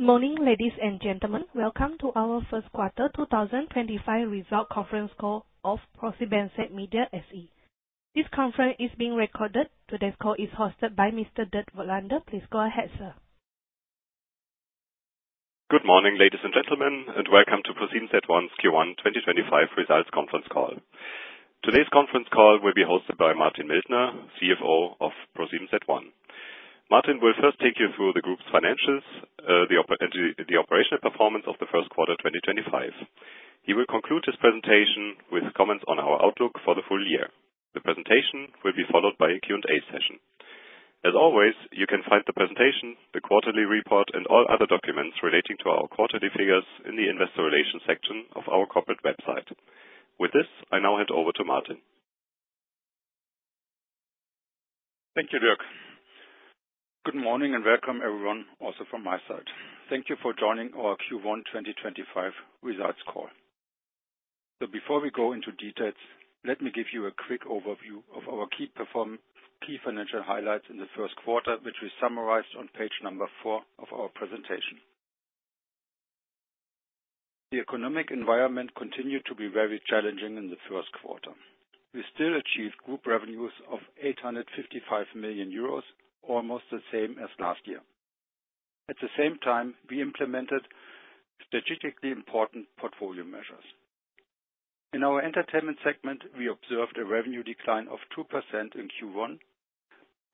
Good morning, ladies and gentlemen. Welcome to our first quarter 2025 result conference call of ProSiebenSat.1 Media SE. This conference is being recorded. Today's call is hosted by Mr. Dirk Voigtländer. Please go ahead, sir. Good morning, ladies and gentlemen, and welcome to ProSiebenSat.1's Q1 2025 results conference call. Today's conference call will be hosted by Martin Mildner, CFO of ProSiebenSat.1. Martin will first take you through the group's financials, the operational performance of the first quarter 2025. He will conclude his presentation with comments on our outlook for the full year. The presentation will be followed by a Q&A session. As always, you can find the presentation, the quarterly report, and all other documents relating to our quarterly figures in the investor relations section of our corporate website. With this, I now hand over to Martin. Thank you, Dirk. Good morning and welcome, everyone, also from my side. Thank you for joining our Q1 2025 results call. Before we go into details, let me give you a quick overview of our key financial highlights in the first quarter, which we summarized on page number 4 of our presentation. The economic environment continued to be very challenging in the first quarter. We still achieved group revenues of 855 million euros, almost the same as last year. At the same time, we implemented strategically important portfolio measures. In our entertainment segment, we observed a revenue decline of 2% in Q1.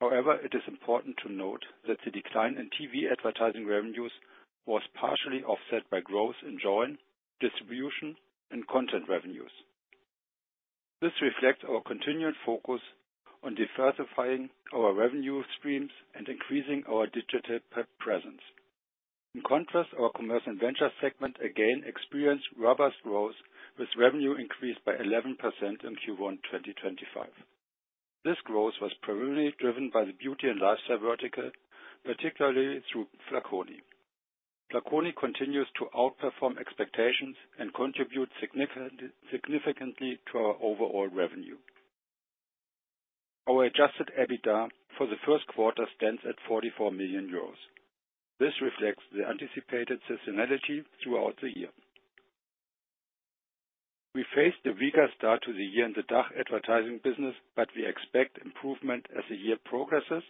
However, it is important to note that the decline in TV advertising revenues was partially offset by growth in joint distribution and content revenues. This reflects our continued focus on diversifying our revenue streams and increasing our digital presence. In contrast, our commercial venture segment again experienced robust growth, with revenue increased by 11% in Q1 2025. This growth was primarily driven by the beauty and lifestyle vertical, particularly through flaconi. Flaconi continues to outperform expectations and contribute significantly to our overall revenue. Our adjusted EBITDA for the first quarter stands at 44 million euros. This reflects the anticipated seasonality throughout the year. We faced a weaker start to the year in the DACH advertising business, but we expect improvement as the year progresses,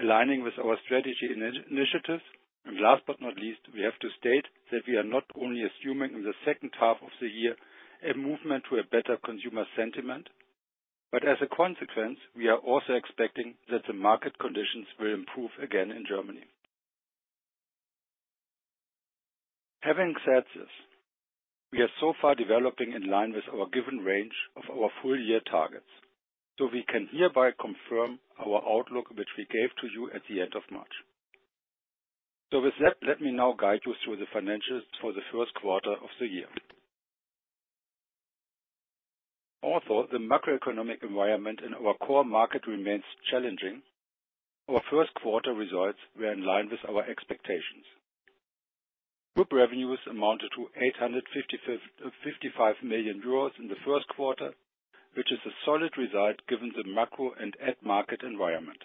aligning with our strategy initiatives. Last but not least, we have to state that we are not only assuming in the second half of the year a movement to a better consumer sentiment, but as a consequence, we are also expecting that the market conditions will improve again in Germany. Having said this, we are so far developing in line with our given range of our full-year targets, so we can hereby confirm our outlook, which we gave to you at the end of March. With that, let me now guide you through the financials for the first quarter of the year. Although the macroeconomic environment in our core market remains challenging, our first quarter results were in line with our expectations. Group revenues amounted to 855 million euros in the first quarter, which is a solid result given the macro and ad market environment.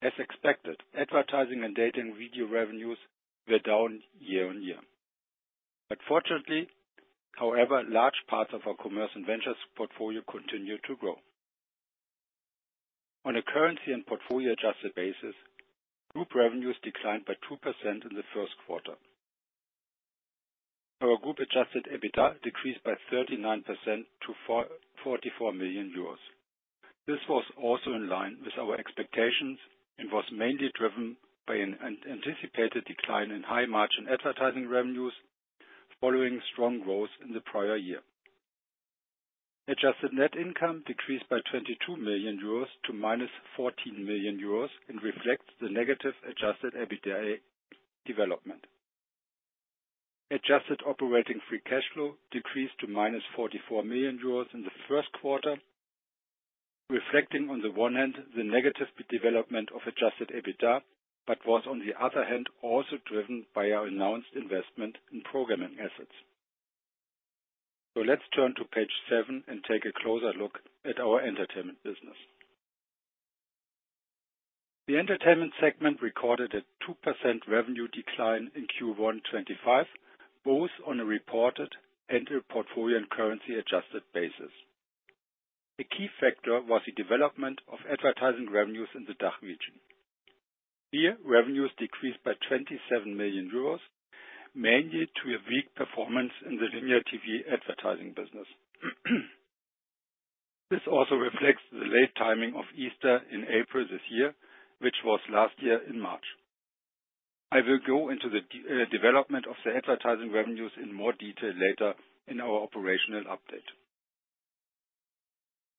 As expected, advertising and dating video revenues were down year on year. Fortunately, however, large parts of our commercial ventures portfolio continued to grow. On a currency and portfolio adjusted basis, group revenues declined by 2% in the first quarter. Our group adjusted EBITDA decreased by 39% to 44 million euros. This was also in line with our expectations and was mainly driven by an anticipated decline in high-margin advertising revenues following strong growth in the prior year. Adjusted net income decreased by 22 million euros to 14 million euros and reflects the negative adjusted EBITDA development. Adjusted operating free cash flow decreased to 44 million euros in the first quarter, reflecting on the one hand the negative development of adjusted EBITDA, but was on the other hand also driven by our announced investment in programming assets. Let's turn to page 7 and take a closer look at our entertainment business. The entertainment segment recorded a 2% revenue decline in Q1 2025, both on a reported and a portfolio and currency adjusted basis. A key factor was the development of advertising revenues in the DACH region. Here, revenues decreased by 27 million euros, mainly due to a weak performance in the linear TV advertising business. This also reflects the late timing of Easter in April this year, which was last year in March. I will go into the development of the advertising revenues in more detail later in our operational update.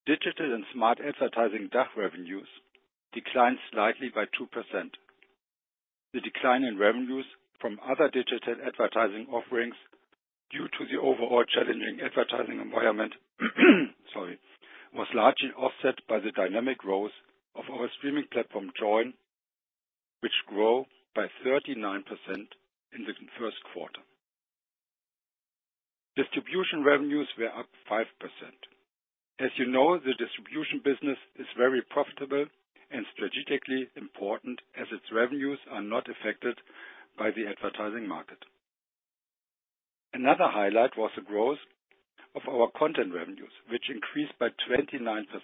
Digital and smart advertising dark revenues declined slightly by 2%. The decline in revenues from other digital advertising offerings due to the overall challenging advertising environment was largely offset by the dynamic growth of our streaming platform Joyn, which grew by 39% in the first quarter. Distribution revenues were up 5%. As you know, the distribution business is very profitable and strategically important as its revenues are not affected by the advertising market. Another highlight was the growth of our content revenues, which increased by 29%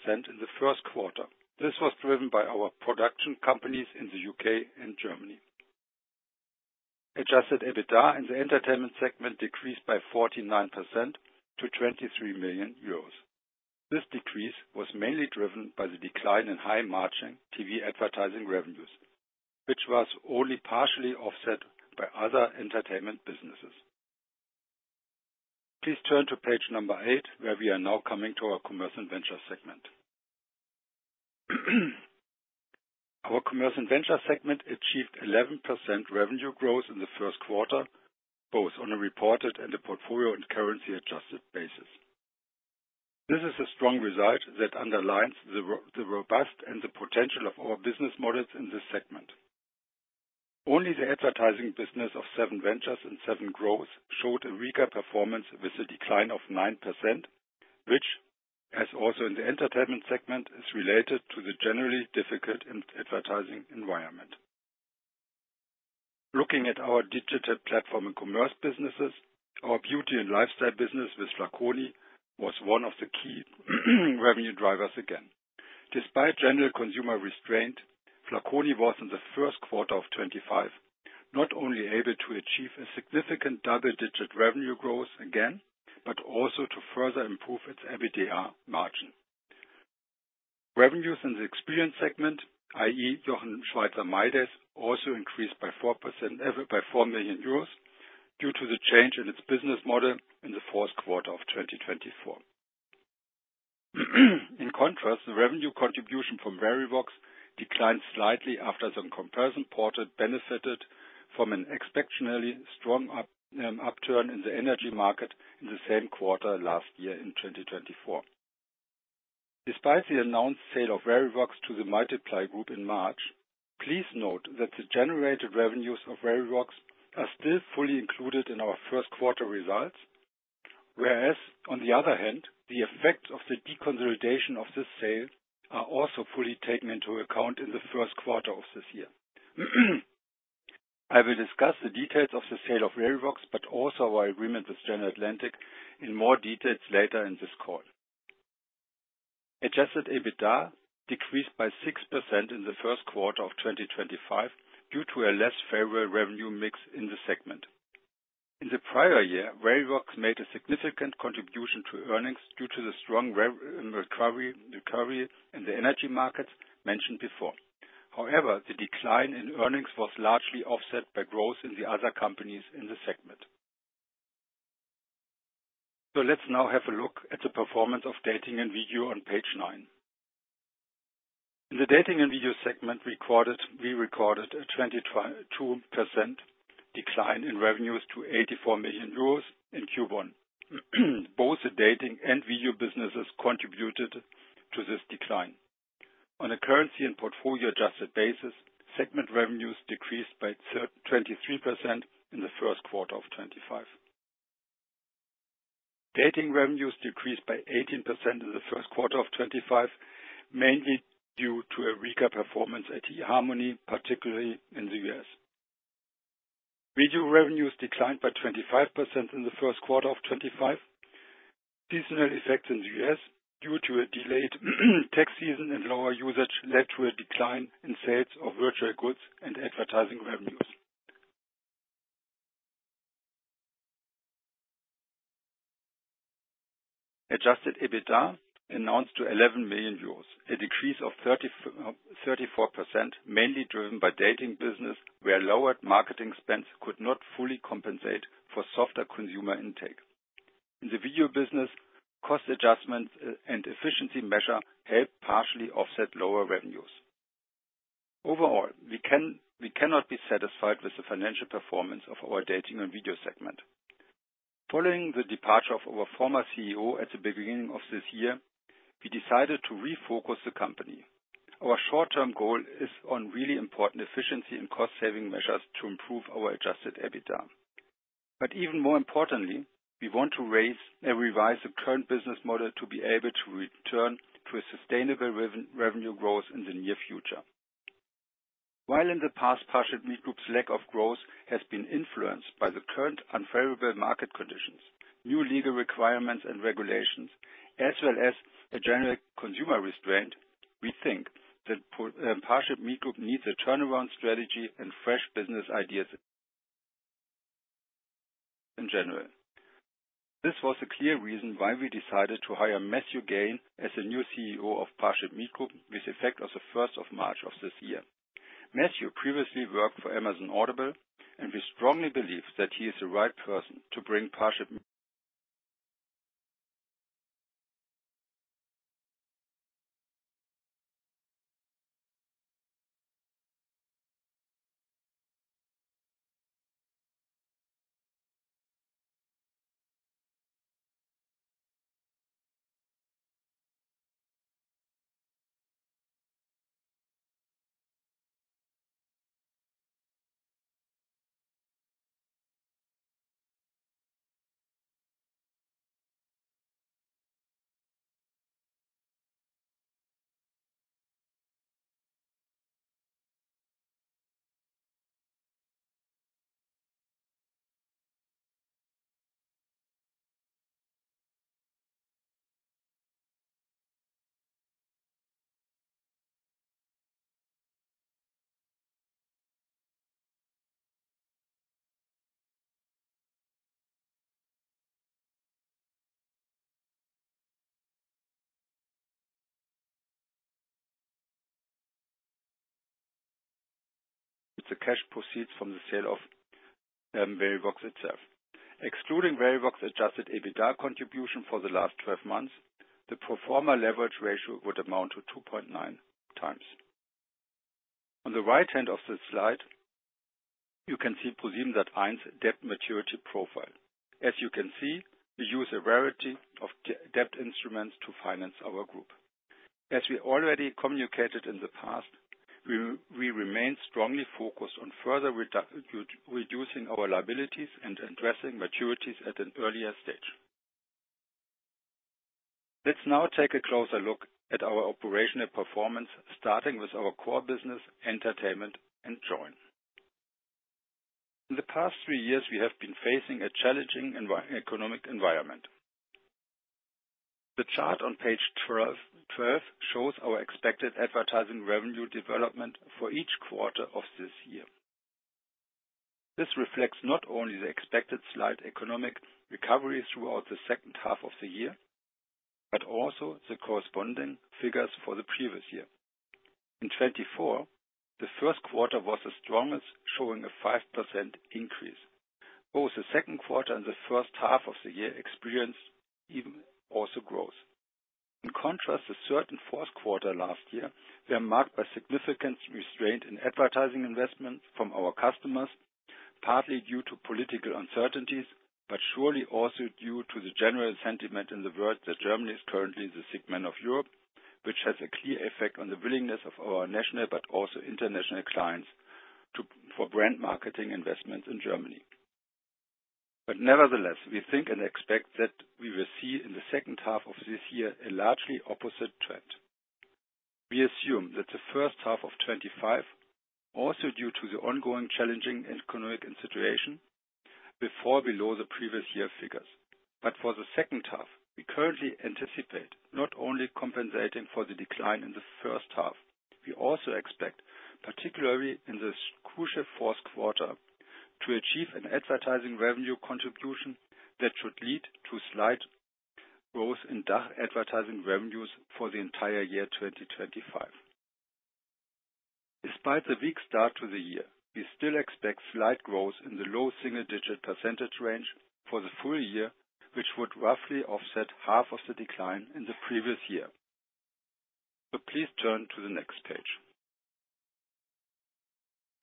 in the first quarter. This was driven by our production companies in the U.K. and Germany. Adjusted EBITDA in the entertainment segment decreased by 49% to 23 million euros. This decrease was mainly driven by the decline in high-margin TV advertising revenues, which was only partially offset by other entertainment businesses. Please turn to page number 8, where we are now coming to our commercial venture segment. Our commercial venture segment achieved 11% revenue growth in the first quarter, both on a reported and a portfolio and currency adjusted basis. This is a strong result that underlines the robust and the potential of our business models in this segment. Only the advertising business of SevenVentures and SevenGrowth showed a weaker performance with a decline of 9%, which, as also in the entertainment segment, is related to the generally difficult advertising environment. Looking at our digital platform and commerce businesses, our beauty and lifestyle business with flaconi was one of the key revenue drivers again. Despite general consumer restraint, flaconi was in the first quarter of 2025 not only able to achieve a significant double-digit revenue growth again, but also to further improve its EBITDA margin. Revenues in the experience segment, i.e., Jochen Schweizer mydays, also increased by 4 million euros due to the change in its business model in the fourth quarter of 2024. In contrast, the revenue contribution from Verivox declined slightly after the comparison portal benefited from an exceptionally strong upturn in the energy market in the same quarter last year in 2024. Despite the announced sale of Verivox to the Moltiply Group in March, please note that the generated revenues of Verivox are still fully included in our first quarter results, whereas, on the other hand, the effects of the deconsolidation of this sale are also fully taken into account in the first quarter of this year. I will discuss the details of the sale of Verivox, but also our agreement with General Atlantic in more details later in this call. Adjusted EBITDA decreased by 6% in the first quarter of 2025 due to a less favorable revenue mix in the segment. In the prior year, Verivox made a significant contribution to earnings due to the strong recovery in the energy markets mentioned before. However, the decline in earnings was largely offset by growth in the other companies in the segment. Let's now have a look at the performance of dating and video on page 9. In the dating and video segment, we recorded a 22% decline in revenues to 84 million euros in Q1. Both the dating and video businesses contributed to this decline. On a currency and portfolio adjusted basis, segment revenues decreased by 23% in the first quarter of 2025. Dating revenues decreased by 18% in the first quarter of 2025, mainly due to a weaker performance at eHarmony, particularly in the U.S. Video revenues declined by 25% in the first quarter of 2025. Seasonal effects in the U.S. due to a delayed tax season and lower usage led to a decline in sales of virtual goods and advertising revenues. Adjusted EBITDA amounted to 11 million euros, a decrease of 34%, mainly driven by the dating business where lowered marketing spends could not fully compensate for softer consumer intake. In the video business, cost adjustments and efficiency measures helped partially offset lower revenues. Overall, we cannot be satisfied with the financial performance of our dating and video segment. Following the departure of our former CEO at the beginning of this year, we decided to refocus the company. Our short-term goal is on really important efficiency and cost-saving measures to improve our adjusted EBITDA. Even more importantly, we want to revise the current business model to be able to return to a sustainable revenue growth in the near future. While in the past, ParshipMeet Group's lack of growth has been influenced by the current unfavorable market conditions, new legal requirements and regulations, as well as a general consumer restraint, we think that ParshipMeet Group needs a turnaround strategy and fresh business ideas in general. This was a clear reason why we decided to hire Matthew Gain as the new CEO of ParshipMeet Group with effect on the 1st of March of this year. Matthew previously worked for Amazon Audible, and we strongly believe that he is the right person to bring ParshipMeet. With the cash proceeds from the sale of Verivox itself. Excluding Verivox's adjusted EBITDA contribution for the last 12 months, the pro forma leverage ratio would amount to 2.9x. On the right hand of this slide, you can see ProSiebenSat.1's debt maturity profile. As you can see, we use a variety of debt instruments to finance our group. As we already communicated in the past, we remain strongly focused on further reducing our liabilities and addressing maturities at an earlier stage. Let's now take a closer look at our operational performance, starting with our core business, entertainment and Joyn. In the past three years, we have been facing a challenging economic environment. The chart on page 12 shows our expected advertising revenue development for each quarter of this year. This reflects not only the expected slight economic recovery throughout the second half of the year, but also the corresponding figures for the previous year. In 2024, the first quarter was the strongest, showing a 5% increase. Both the second quarter and the first half of the year experienced even also growth. In contrast, the third and fourth quarter last year were marked by significant restraint in advertising investments from our customers, partly due to political uncertainties, but surely also due to the general sentiment in the world that Germany is currently the segment of Europe, which has a clear effect on the willingness of our national but also international clients for brand marketing investments in Germany. Nevertheless, we think and expect that we will see in the second half of this year a largely opposite trend. We assume that the first half of 2025, also due to the ongoing challenging economic situation, will fall below the previous year figures. For the second half, we currently anticipate not only compensating for the decline in the first half, we also expect, particularly in this crucial fourth quarter, to achieve an advertising revenue contribution that should lead to slight growth in dark advertising revenues for the entire year 2025. Despite the weak start to the year, we still expect slight growth in the low single-digit percentage range for the full year, which would roughly offset half of the decline in the previous year. Please turn to the next page.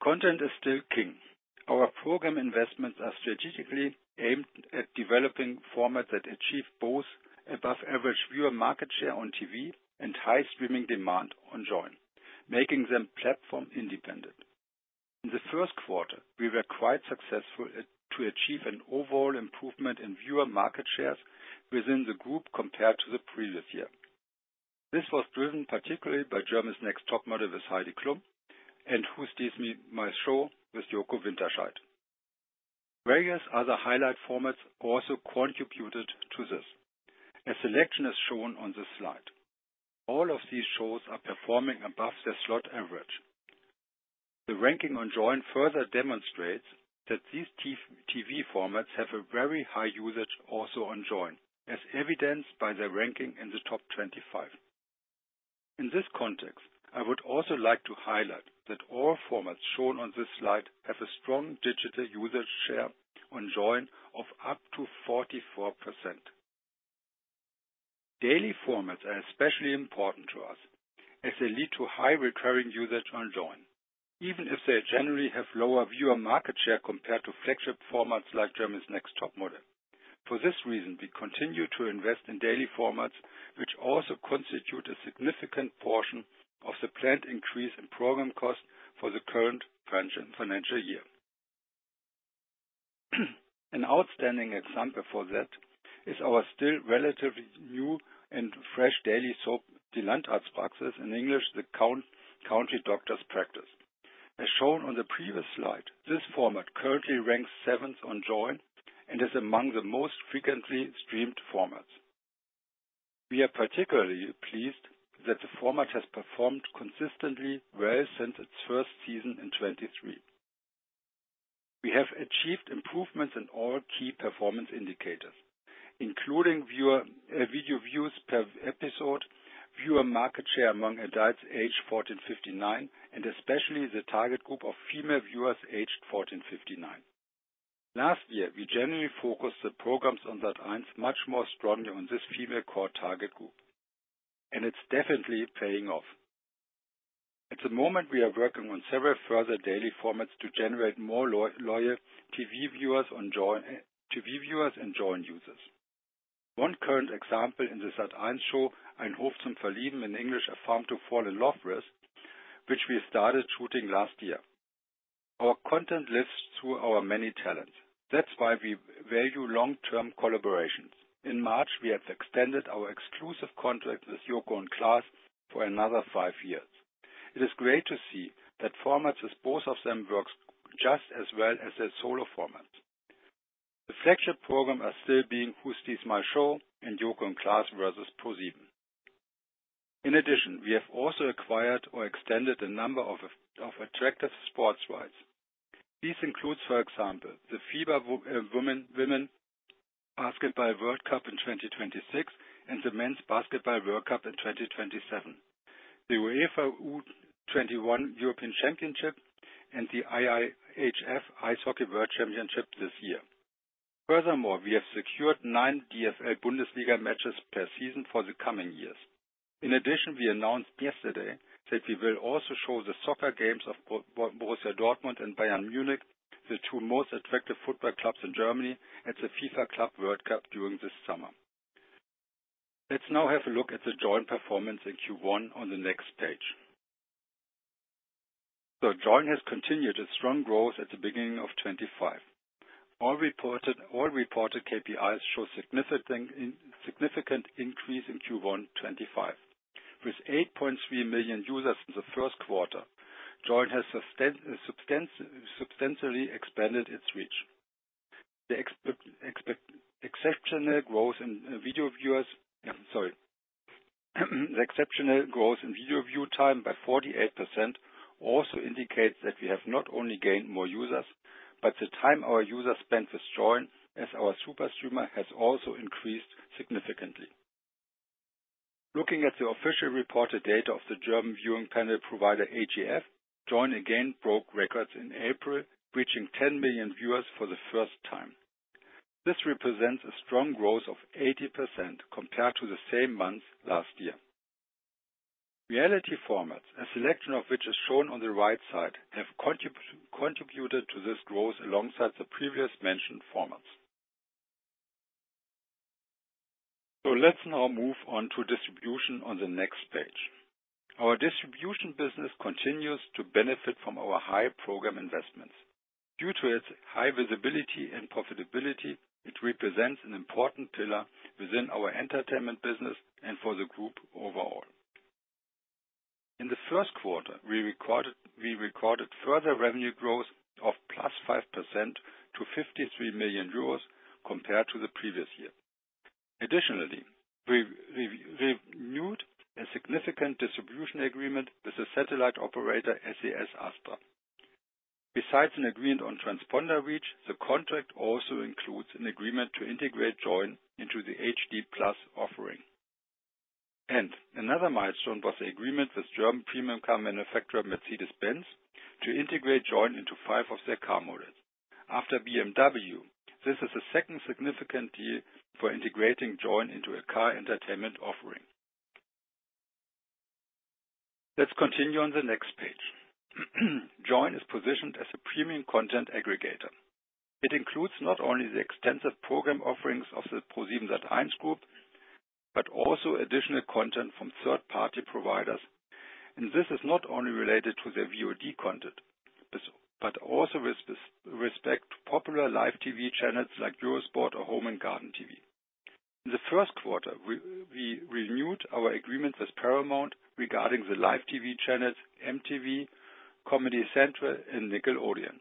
Content is still king. Our program investments are strategically aimed at developing formats that achieve both above-average viewer market share on TV and high streaming demand on Joyn, making them platform independent. In the first quarter, we were quite successful to achieve an overall improvement in viewer market shares within the group compared to the previous year. This was driven particularly by Germany's Next Topmodel, Heidi Klum, and Wer stiehlt mir die Show? with Joko Winterscheidt. Various other highlight formats also contributed to this. A selection is shown on this slide. All of these shows are performing above their slot average. The ranking on Joyn further demonstrates that these TV formats have a very high usage also on Joyn, as evidenced by their ranking in the top 25. In this context, I would also like to highlight that all formats shown on this slide have a strong digital usage share on Joyn of up to 44%. Daily formats are especially important to us, as they lead to high recurring usage on Joyn, even if they generally have lower viewer market share compared to flagship formats like Germany's Next Topmodel. For this reason, we continue to invest in daily formats, which also constitute a significant portion of the planned increase in program costs for the current financial year. An outstanding example for that is our still relatively new and fresh daily soap, Die Landarztpraxis, in English, The County doctor's practice. As shown on the previous slide, this format currently ranks seventh on Joyn and is among the most frequently streamed formats. We are particularly pleased that the format has performed consistently well since its first season in 2023. We have achieved improvements in all key performance indicators, including video views per episode, viewer market share among adults aged 14-59, and especially the target group of female viewers aged 14-59. Last year, we generally focused the programs on that much more strongly on this female core target group, and it's definitely paying off. At the moment, we are working on several further daily formats to generate more loyal TV viewers and Joyn users. One current example is the Sat.1 show, Ein Hof zum Verlieben, in English, A Farm to Fall in Love With, which we started shooting last year. Our content lives through our many talents. That's why we value long-term collaborations. In March, we have extended our exclusive contract with Joko and Klaas for another five years. It is great to see that formats with both of them work just as well as their solo formats. The flagship programs are still being Wer stiehlt mir die Show? and Joko & Klaas versus ProSieben. In addition, we have also acquired or extended a number of attractive sports rights. These include, for example, the FIBA Women's Basketball World Cup in 2026 and the Men's Basketball World Cup in 2027, the UEFA U21 European Championship, and the IIHF Ice Hockey World Championship this year. Furthermore, we have secured nine DFL Bundesliga matches per season for the coming years. In addition, we announced yesterday that we will also show the soccer games of Borussia Dortmund and Bayern Munich, the two most attractive football clubs in Germany, at the FIFA Club World Cup during this summer. Let's now have a look at the Joyn performance in Q1 on the next page. Joyn has continued its strong growth at the beginning of 2025. All reported KPIs show a significant increase in Q1 2025. With 8.3 million users in the first quarter, Joyn has substantially expanded its reach. The exceptional growth in video viewers' time by 48% also indicates that we have not only gained more users, but the time our users spend with Joyn as our super streamer has also increased significantly. Looking at the official reported data of the German viewing panel provider AGF, Joyn again broke records in April, reaching 10 million viewers for the first time. This represents a strong growth of 80% compared to the same month last year. Reality formats, a selection of which is shown on the right side, have contributed to this growth alongside the previously mentioned formats. Let's now move on to distribution on the next page. Our distribution business continues to benefit from our high program investments. Due to its high visibility and profitability, it represents an important pillar within our entertainment business and for the group overall. In the first quarter, we recorded further revenue growth of +5% to 53 million euros compared to the previous year. Additionally, we renewed a significant distribution agreement with the satellite operator SES ASTRA. Besides an agreement on transponder reach, the contract also includes an agreement to integrate Joyn into the HD PLUS offering. Another milestone was the agreement with German premium car manufacturer Mercedes-Benz to integrate Joyn into five of their car models. After BMW, this is the second significant deal for integrating Joyn into a car entertainment offering. Let's continue on the next page. Joyn is positioned as a premium content aggregator. It includes not only the extensive program offerings of the ProSiebenSat.1 Group, but also additional content from third-party providers. This is not only related to their VOD content, but also with respect to popular live TV channels like Eurosport or Home and Garden TV. In the first quarter, we renewed our agreement with Paramount regarding the live TV channels MTV, Comedy Central, and Nickelodeon.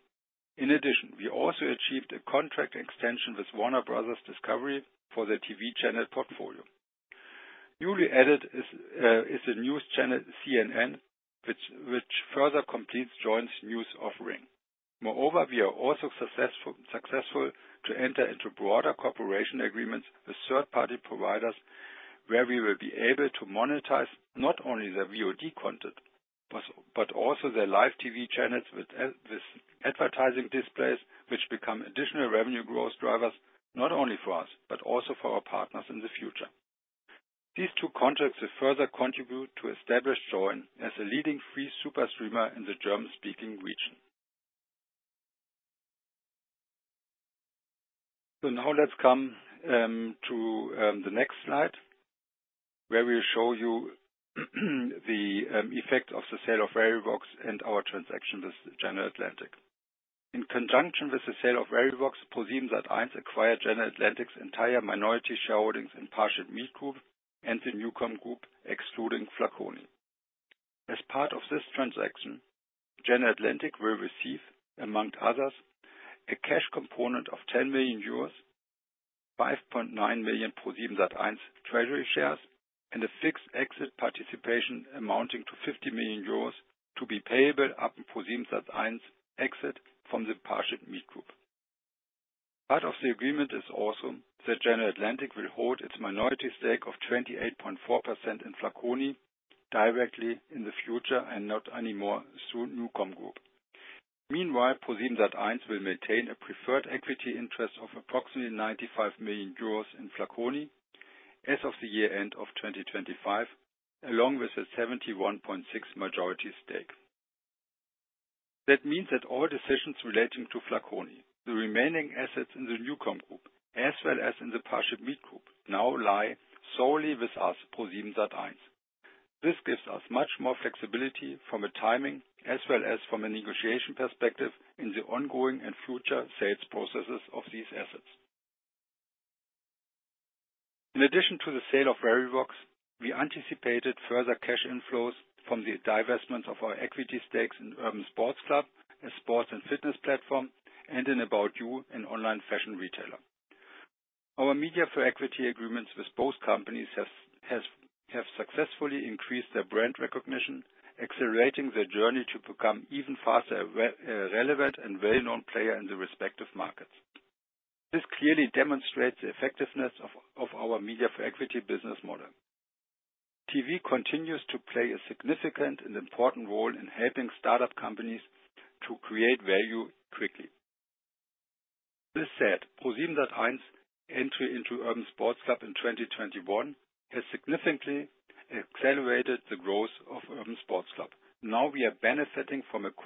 In addition, we also achieved a contract extension with Warner Bros. Discovery for the TV channel portfolio. Newly added is the news channel CNN, which further completes Joyn's news offering. Moreover, we are also successful to enter into broader cooperation agreements with third-party providers, where we will be able to monetize not only their VOD content, but also their live TV channels with advertising displays, which become additional revenue growth drivers not only for us, but also for our partners in the future. These two contracts will further contribute to establish Joyn as a leading free super streamer in the German-speaking region. Now let's come to the next slide, where we'll show you the effect of the sale of Verivox and our transaction with General Atlantic. In conjunction with the sale of Verivox, ProSiebenSat.1 acquired General Atlantic's entire minority shareholdings in ParshipMeet Group and the NuCom Group, excluding flaconi. As part of this transaction, General Atlantic will receive, among others, a cash component of 10 million euros, 5.9 million ProSiebenSat.1 treasury shares, and a fixed exit participation amounting to 50 million euros to be payable upon ProSiebenSat.1's exit from the ParshipMeet Group. Part of the agreement is also that General Atlantic will hold its minority stake of 28.4% in flaconi directly in the future and not anymore through NuCom Group. Meanwhile, ProSiebenSat.1 will maintain a preferred equity interest of approximately 95 million euros in flaconi as of the year-end of 2025, along with a 71.6% majority stake. That means that all decisions relating to flaconi, the remaining assets in the NuCom Group, as well as in the ParshipMeet Group, now lie solely with us, ProSiebenSat.1. This gives us much more flexibility from a timing as well as from a negotiation perspective in the ongoing and future sales processes of these assets. In addition to the sale of Verivox, we anticipated further cash inflows from the divestments of our equity stakes in Urban Sports Club as a sports and fitness platform and in ABOUT YOU, an online fashion retailer. Our media for equity agreements with both companies have successfully increased their brand recognition, accelerating their journey to become even faster a relevant and well-known player in the respective markets. This clearly demonstrates the effectiveness of our media for equity business model. TV continues to play a significant and important role in helping startup companies to create value quickly. This said, ProSiebenSat.1's entry into Urban Sports Club in 2021 has significantly accelerated the growth of Urban Sports Club. Now we are benefiting from a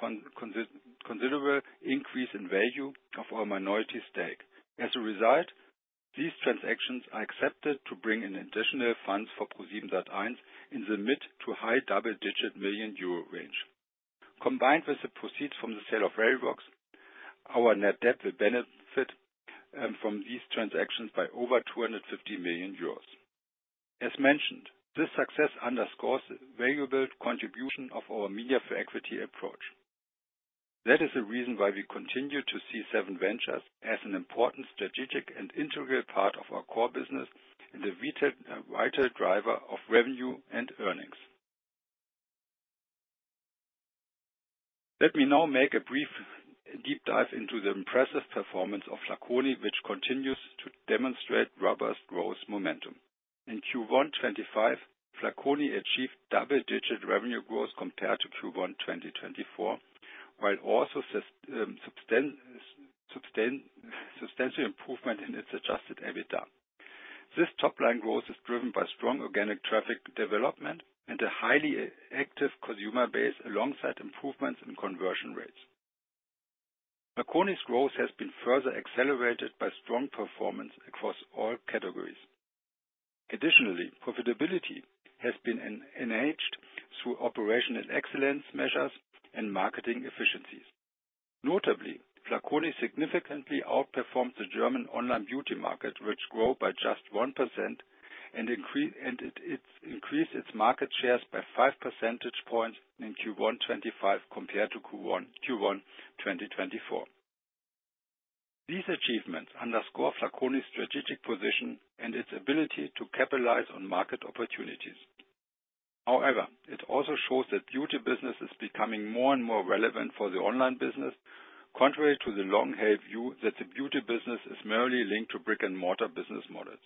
considerable increase in value of our minority stake. As a result, these transactions are expected to bring in additional funds for ProSiebenSat.1 in the mid- to high double-digit million euro range. Combined with the proceeds from the sale of Verivox, our net debt will benefit from these transactions by over 250 million euros. As mentioned, this success underscores the valuable contribution of our media for equity approach. That is the reason why we continue to see SevenVentures as an important strategic and integral part of our core business and a vital driver of revenue and earnings. Let me now make a brief deep dive into the impressive performance of flaconi, which continues to demonstrate robust growth momentum. In Q1 2025, flaconi achieved double-digit revenue growth compared to Q1 2024, while also substantial improvement in its adjusted EBITDA. This top-line growth is driven by strong organic traffic development and a highly active consumer base alongside improvements in conversion rates. Flaconi's growth has been further accelerated by strong performance across all categories. Additionally, profitability has been enhanced through operational excellence measures and marketing efficiencies. Notably, flaconi significantly outperformed the German online beauty market, which grew by just 1%, and it increased its market shares by five percentage points in Q1 2025 compared to Q1 2024. These achievements underscore flaconi's strategic position and its ability to capitalize on market opportunities. However, it also shows that beauty business is becoming more and more relevant for the online business, contrary to the long-held view that the beauty business is merely linked to brick-and-mortar business models.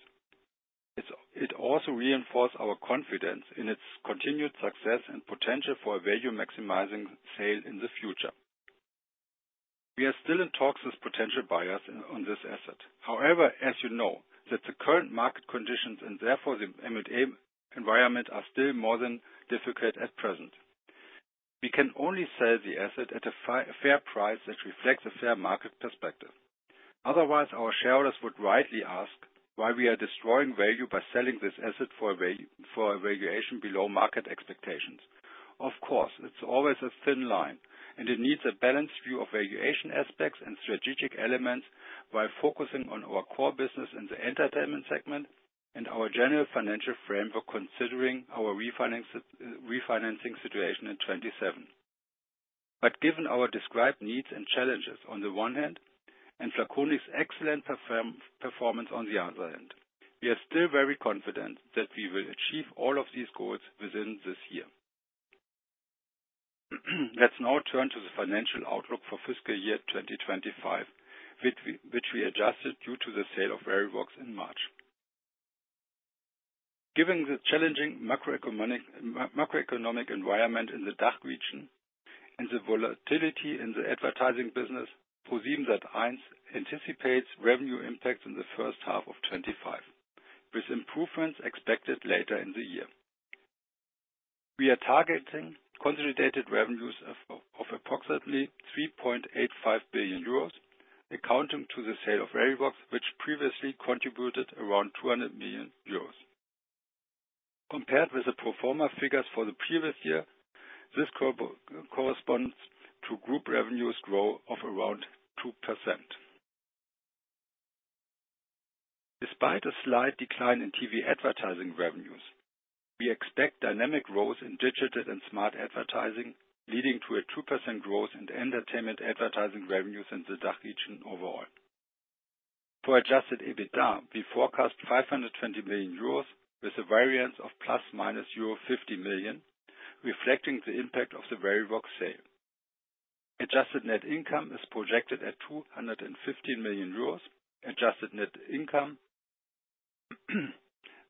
It also reinforces our confidence in its continued success and potential for a value-maximizing sale in the future. We are still in talks with potential buyers on this asset. However, as you know, the current market conditions and therefore the M&A environment are still more than difficult at present. We can only sell the asset at a fair price that reflects a fair market perspective. Otherwise, our shareholders would rightly ask why we are destroying value by selling this asset for a valuation below market expectations. Of course, it's always a thin line, and it needs a balanced view of valuation aspects and strategic elements while focusing on our core business in the entertainment segment and our general financial framework considering our refinancing situation in 2027. Given our described needs and challenges on the one hand and flaconi's excellent performance on the other hand, we are still very confident that we will achieve all of these goals within this year. Let's now turn to the financial outlook for fiscal year 2025, which we adjusted due to the sale of Verivox in March. Given the challenging macroeconomic environment in the DACH region and the volatility in the advertising business, ProSiebenSat.1 anticipates revenue impacts in the first half of 2025, with improvements expected later in the year. We are targeting consolidated revenues of approximately 3.85 billion euros, accounting to the sale of Verivox, which previously contributed around 200 million euros. Compared with the pro forma figures for the previous year, this corresponds to group revenues growth of around 2%. Despite a slight decline in TV advertising revenues, we expect dynamic growth in digital and smart advertising, leading to a 2% growth in entertainment advertising revenues in the DACH region overall. For adjusted EBITDA, we forecast 520 million euros with a variance of ± euro 50 million, reflecting the impact of the Verivox sale. Adjusted net income is projected at 215 million euros. Adjusted net income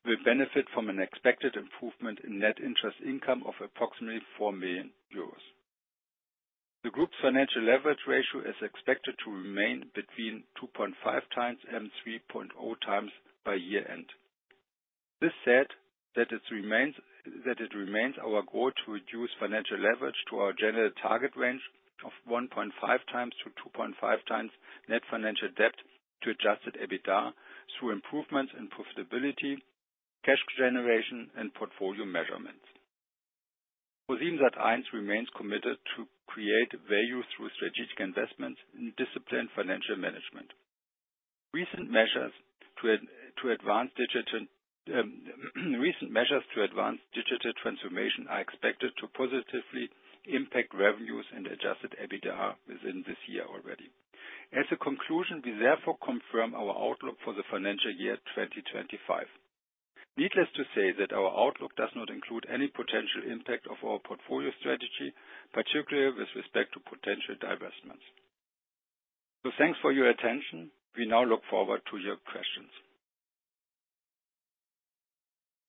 will benefit from an expected improvement in net interest income of approximately 4 million euros. The group's financial leverage ratio is expected to remain between 2.5x and 3.0x by year-end. This said that it remains our goal to reduce financial leverage to our general target range of 1.5x-2.5x net financial debt to adjusted EBITDA through improvements in profitability, cash generation, and portfolio measurements. ProSiebenSat.1 remains committed to create value through strategic investments and disciplined financial management. Recent measures to advance digital transformation are expected to positively impact revenues and adjusted EBITDA within this year already. As a conclusion, we therefore confirm our outlook for the financial year 2025. Needless to say that our outlook does not include any potential impact of our portfolio strategy, particularly with respect to potential divestments. Thanks for your attention. We now look forward to your questions.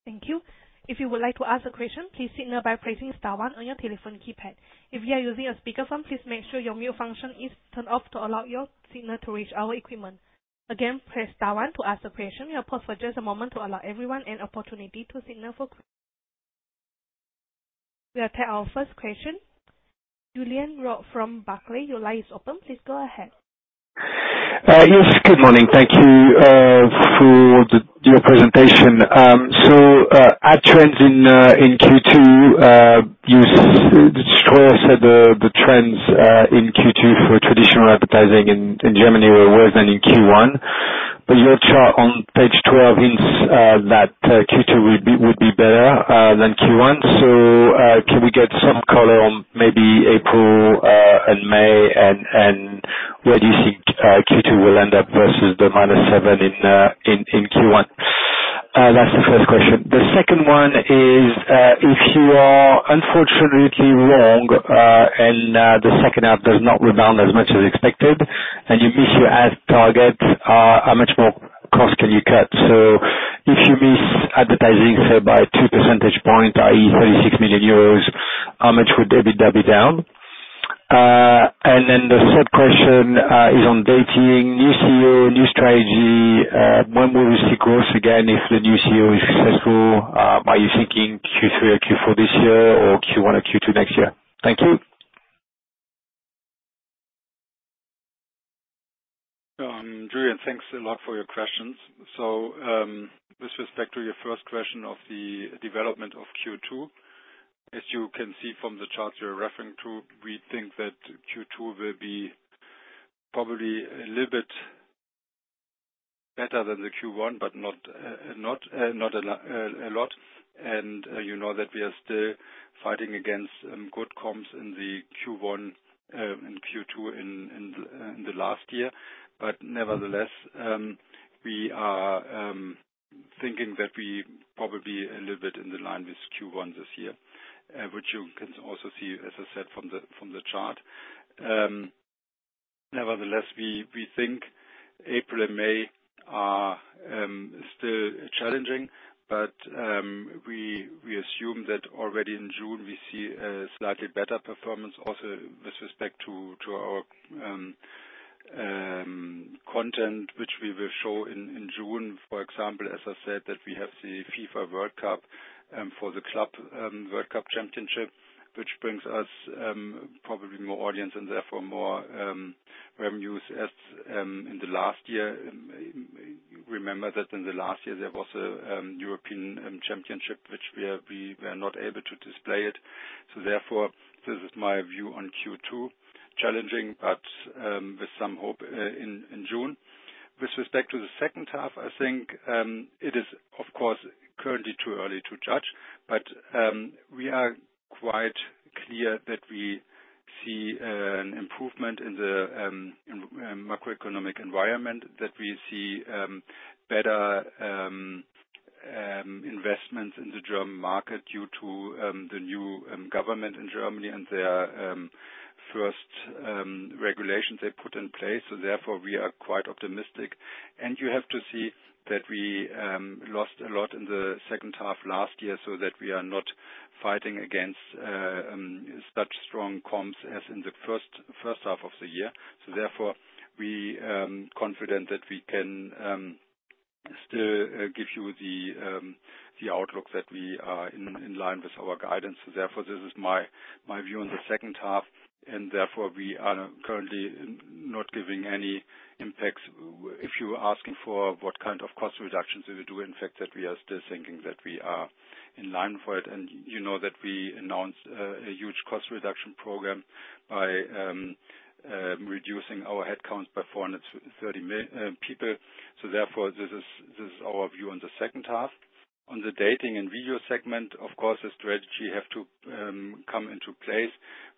Thank you. If you would like to ask a question, please signal by pressing Star 1 on your telephone keypad. If you are using a speakerphone, please make sure your mute function is turned off to allow your signal to reach our equipment. Again, press Star 1 to ask a question. We'll pause for just a moment to allow everyone an opportunity to signal for questions. We'll take our first question. Julien Roch from Barclays, your line is open. Please go ahead. Yes, good morning. Thank you for your presentation. At trends in Q2, you said the trends in Q2 for traditional advertising in Germany were worse than in Q1. Your chart on page 12 hints that Q2 would be better than Q1. Can we get some color on maybe April and May, and where do you think Q2 will end up versus the -7% in Q1? That is the first question. The second one is if you are unfortunately wrong and the second half does not rebound as much as expected and you miss your ad target, how much more cost can you cut? If you miss advertising sale by 2 percentage points, i.e., 36 million euros, how much would EBITDA be down? The third question is on dating. New CEO, new strategy, when will we see growth again if the new CEO is successful? Are you thinking Q3 or Q4 this year or Q1 or Q2 next year? Thank you. Julien, thanks a lot for your questions. With respect to your first question of the development of Q2, as you can see from the charts you're referring to, we think that Q2 will be probably a little bit better than Q1, but not a lot. You know that we are still fighting against good comps in Q1 and Q2 in the last year. Nevertheless, we are thinking that we probably will be a little bit in line with Q1 this year, which you can also see, as I said, from the chart. Nevertheless, we think April and May are still challenging, but we assume that already in June, we see a slightly better performance also with respect to our content, which we will show in June. For example, as I said, that we have the FIFA World Cup for the Club World Cup Championship, which brings us probably more audience and therefore more revenues as in the last year. Remember that in the last year, there was a European Championship, which we were not able to display it. Therefore, this is my view on Q2. Challenging, but with some hope in June. With respect to the second half, I think it is, of course, currently too early to judge, but we are quite clear that we see an improvement in the macroeconomic environment, that we see better investments in the German market due to the new government in Germany and their first regulations they put in place. Therefore, we are quite optimistic. You have to see that we lost a lot in the second half last year, so that we are not fighting against such strong comps as in the first half of the year. Therefore, we are confident that we can still give you the outlook that we are in line with our guidance. This is my view on the second half, and we are currently not giving any impacts. If you are asking for what kind of cost reductions we will do, in fact, we are still thinking that we are in line for it. You know that we announced a huge cost reduction program by reducing our headcount by 430 people. This is our view on the second half. On the dating and video segment, of course, the strategy has to come into place.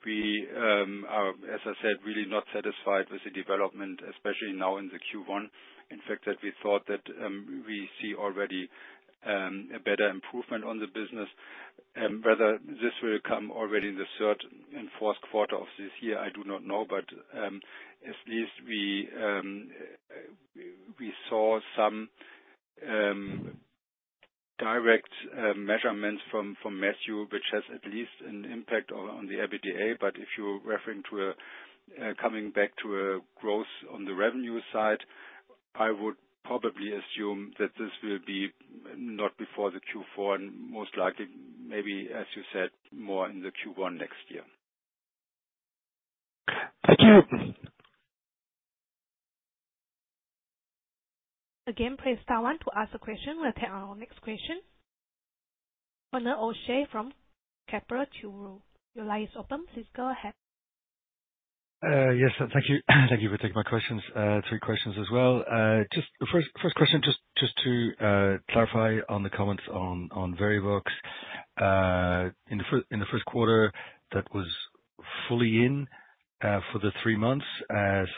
We are, as I said, really not satisfied with the development, especially now in the Q1. In fact, that we thought that we see already a better improvement on the business. Whether this will come already in the third and fourth quarter of this year, I do not know, but at least we saw some direct measurements from Matthew, which has at least an impact on the EBITDA. If you're referring to coming back to a growth on the revenue side, I would probably assume that this will be not before the Q4 and most likely, maybe, as you said, more in the Q1 next year. Thank you. Again, press Star 1 to ask a question. We'll take our next question. Conor O'Shea from Kepler Cheuvreux. Your line is open. Please go ahead. Yes, thank you for taking my questions. Three questions as well. First question, just to clarify on the comments on Verivox. In the first quarter, that was fully in for the three months.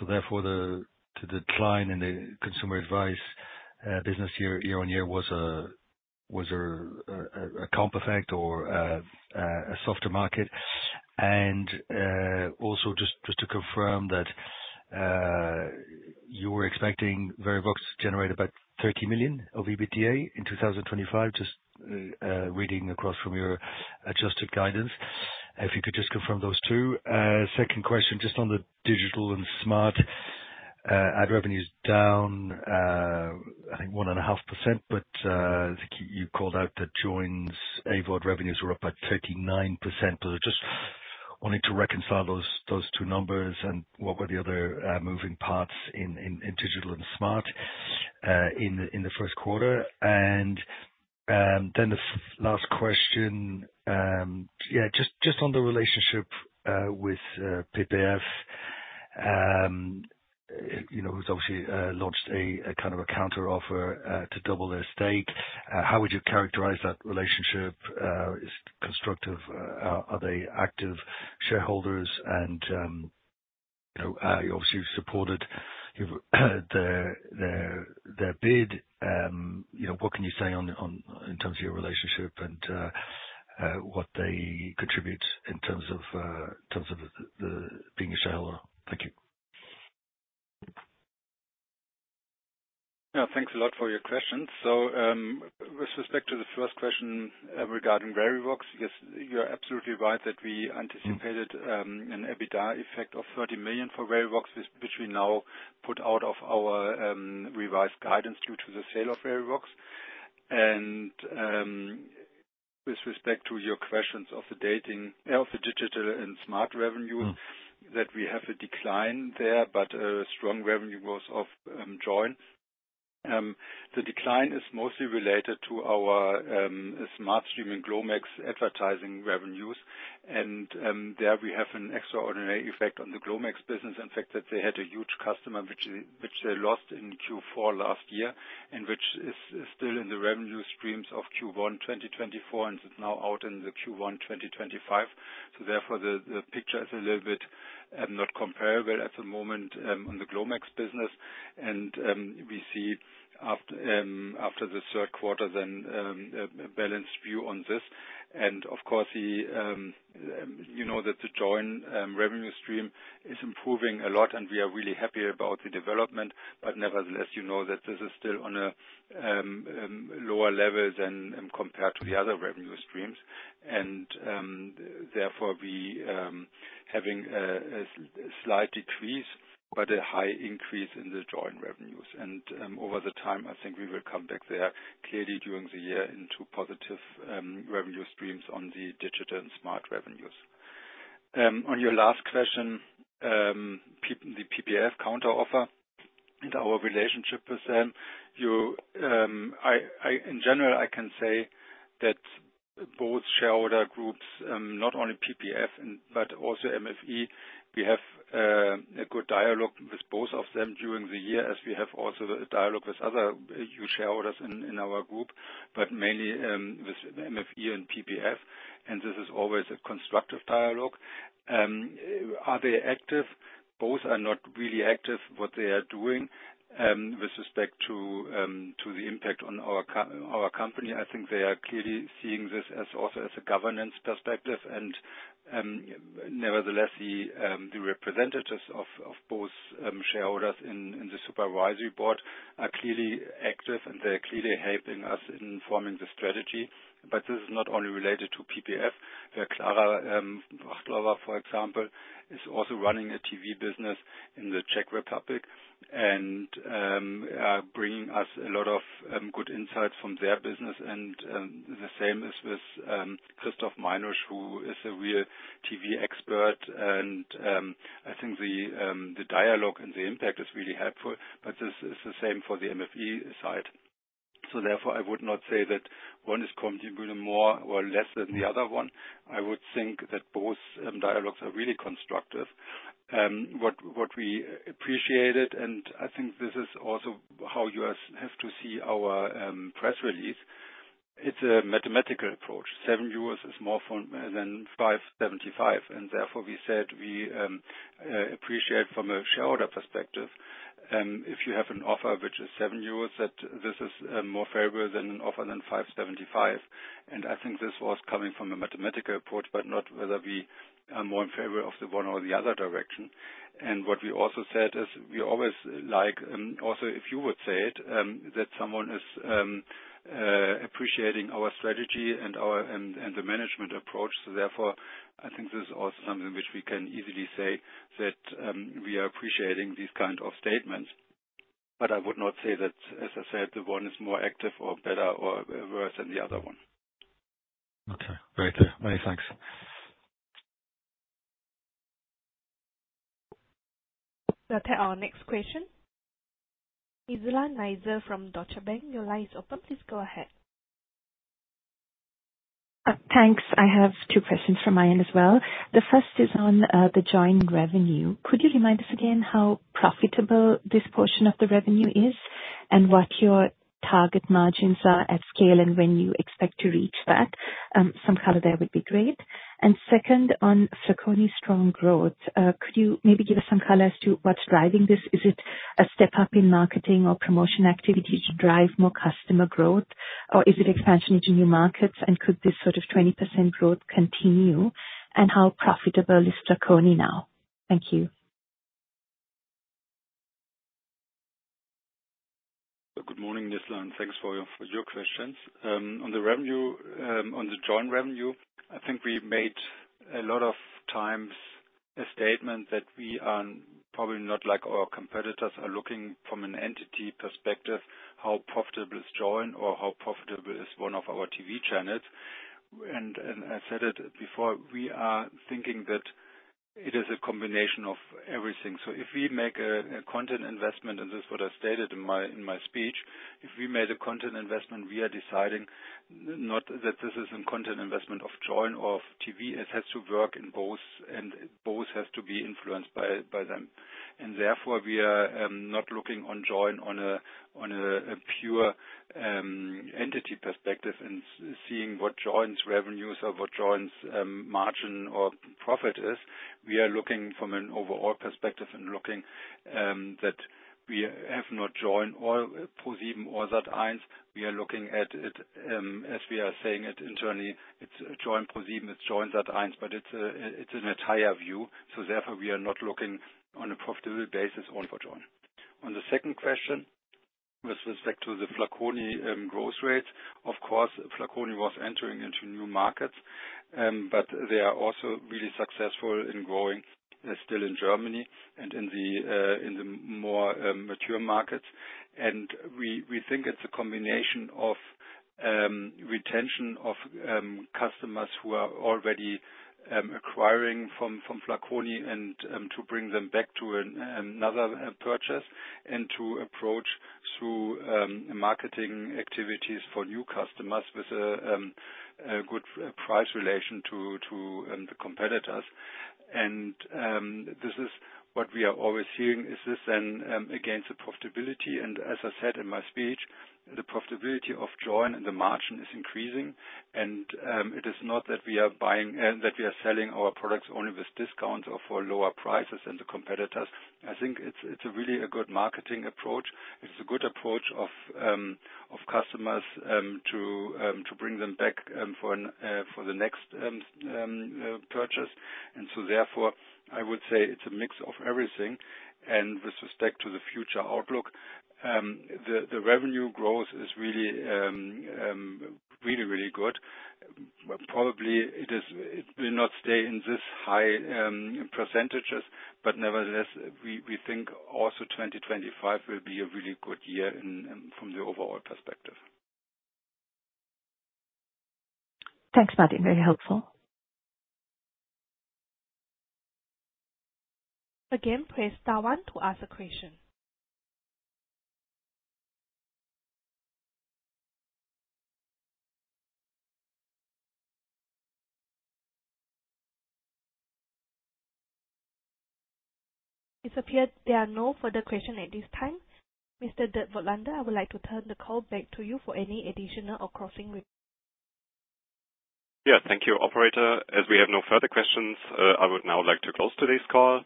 Therefore, the decline in the consumer advice business year on year was a comp effect or a softer market. Also, just to confirm that you were expecting Verivox to generate about 30 million of EBITDA in 2025, just reading across from your adjusted guidance. If you could just confirm those two. Second question, just on the digital and smart ad revenues down, I think, 1.5%, but you called out that Joyn's AVoD revenues were up by 39%. I just wanted to reconcile those two numbers and what were the other moving parts in digital and smart in the first quarter. The last question, just on the relationship with PPF, who's obviously launched a kind of a counter-offer to double their stake. How would you characterize that relationship? Is it constructive? Are they active shareholders? Obviously, you've supported their bid. What can you say in terms of your relationship and what they contribute in terms of being a shareholder? Thank you. Yeah, thanks a lot for your questions. With respect to the first question regarding Verivox, you're absolutely right that we anticipated an EBITDA effect of 30 million for Verivox, which we now put out of our revised guidance due to the sale of Verivox. With respect to your questions of the dating, of the digital and smart revenues, we have a decline there, but a strong revenue growth of Joyn. The decline is mostly related to our SMARTSTREAM and glomex advertising revenues. There we have an extraordinary effect on the glomex business. In fact, they had a huge customer, which they lost in Q4 last year and which is still in the revenue streams of Q1 2024 and is now out in Q1 2025. Therefore, the picture is a little bit not comparable at the moment on the glomex business. We see after the third quarter a balanced view on this. Of course, you know that the Joyn revenue stream is improving a lot, and we are really happy about the development. Nevertheless, you know that this is still on a lower level than compared to the other revenue streams. Therefore, we are having a slight decrease, but a high increase in the Joyn revenues. Over the time, I think we will come back there clearly during the year into positive revenue streams on the digital and smart revenues. On your last question, the PPF counter-offer and our relationship with them, in general, I can say that both shareholder groups, not only PPF, but also MFE, we have a good dialogue with both of them during the year, as we have also a dialogue with other shareholders in our group, but mainly with MFE and PPF. This is always a constructive dialogue. Are they active? Both are not really active what they are doing with respect to the impact on our company. I think they are clearly seeing this also as a governance perspective. Nevertheless, the representatives of both shareholders in the supervisory board are clearly active, and they are clearly helping us in forming the strategy. This is not only related to PPF. Klára Brachtlová, for example, is also running a TV business in the Czech Republic and bringing us a lot of good insights from their business. The same is with [Christoph Meiners], who is a real TV expert. I think the dialogue and the impact is really helpful. This is the same for the MFE side. Therefore, I would not say that one is contributing more or less than the other one. I would think that both dialogues are really constructive. What we appreciated, and I think this is also how you have to see our press release, it's a mathematical approach. 7 euros is more than 5.75. Therefore, we said we appreciate from a shareholder perspective, if you have an offer which is 7 euros, that this is more favorable than an offer than 5.75. I think this was coming from a mathematical approach, but not whether we are more in favor of the one or the other direction. What we also said is we always like also, if you would say it, that someone is appreciating our strategy and the management approach. Therefore, I think this is also something which we can easily say that we are appreciating these kinds of statements. I would not say that, as I said, the one is more active or better or worse than the other one. Okay. Very clear. Many thanks. We'll take our next question. Nizla Naizer from Deutsche Bank. Your line is open. Please go ahead. Thanks. I have two questions from my end as well. The first is on the Joyn revenue. Could you remind us again how profitable this portion of the revenue is and what your target margins are at scale and when you expect to reach that? Some color there would be great. Second, on flaconi's strong growth, could you maybe give us some color as to what's driving this? Is it a step up in marketing or promotion activities to drive more customer growth, or is it expansion into new markets? Could this sort of 20% growth continue? How profitable is flaconi now? Thank you. Good morning, Nizla. Thanks for your questions. On the Joyn revenue, I think we made a lot of times a statement that we are probably not like our competitors are looking from an entity perspective, how profitable is Joyn or how profitable is one of our TV channels. I said it before, we are thinking that it is a combination of everything. If we make a content investment, and this is what I stated in my speech, if we made a content investment, we are deciding not that this is a content investment of Joyn or of TV. It has to work in both, and both have to be influenced by them. Therefore, we are not looking on Joyn on a pure entity perspective and seeing what Joyn's revenues or what Joyn's margin or profit is. We are looking from an overall perspective and looking that we have not Joyn or ProSieben or Sat.1s. We are looking at it, as we are saying it internally, it's Joyn, ProSieben, it's Joyn, Sat.1s, but it's an entire view. Therefore, we are not looking on a profitable basis only for Joyn. On the second question, with respect to the flaconi growth rates, of course, flaconi was entering into new markets, but they are also really successful in growing still in Germany and in the more mature markets. We think it's a combination of retention of customers who are already acquiring from flaconi and to bring them back to another purchase and to approach through marketing activities for new customers with a good price relation to the competitors. This is what we are always hearing. Is this then against the profitability? As I said in my speech, the profitability of Joyn and the margin is increasing. It is not that we are selling our products only with discounts or for lower prices than the competitors. I think it is really a good marketing approach. It is a good approach of customers to bring them back for the next purchase. Therefore, I would say it is a mix of everything. With respect to the future outlook, the revenue growth is really, really, really good. Probably it will not stay in these high percentages, but nevertheless, we think also 2025 will be a really good year from the overall perspective. Thanks, Martin. Very helpful. Again, press Star 1 to ask a question. It appears there are no further questions at this time. Mr. Dirk Voigtländer, I would like to turn the call back to you for any additional or closing. Yeah, thank you, operator. As we have no further questions, I would now like to close today's call.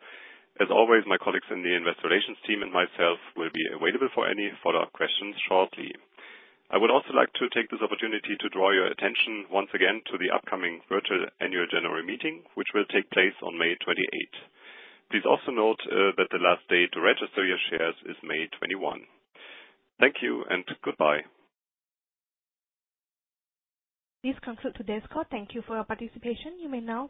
As always, my colleagues in the investor relations team and myself will be available for any follow-up questions shortly. I would also like to take this opportunity to draw your attention once again to the upcoming virtual annual general meeting, which will take place on May 28th. Please also note that the last day to register your shares is May 21. Thank you and goodbye. This concludes today's call. Thank you for your participation. You may now.